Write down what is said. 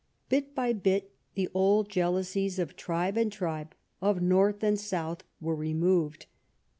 Bit by bit the old jealousies of tribe and tv'iho, of north and south, were removed.